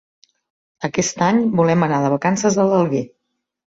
Aquest any volem anar de vacances a l'Alguer.